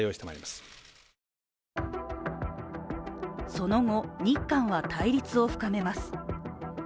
その後、日韓は対立を深めます。